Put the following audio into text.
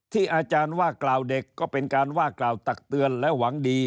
อาจารย์ว่ากล่าวเด็กก็เป็นการว่ากล่าวตักเตือนและหวังดี